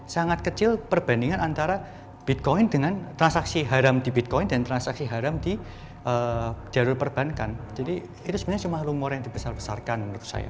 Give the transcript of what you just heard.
sangat kecil perbandingan antara bitcoin dengan transaksi haram di bitcoin dan transaksi haram di jalur perbankan